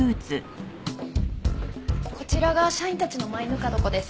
こちらが社員たちのマイぬか床です。